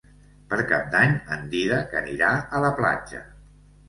Per Cap d'Any en Dídac anirà a la platja.